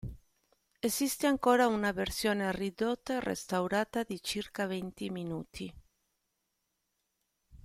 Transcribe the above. Esiste ancora in una versione ridotta e restaurata di circa venti minuti.